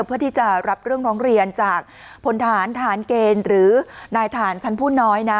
เพื่อที่จะรับเรื่องร้องเรียนจากพลฐานทหารเกณฑ์หรือนายฐานพันธ์ผู้น้อยนะ